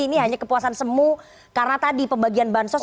ini hanya kepuasan semua karena tadi pembagian bahan sosial